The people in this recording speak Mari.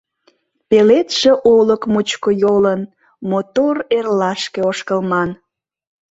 Пеледше олык мучко йолын Мотор эрлашке ошкылман.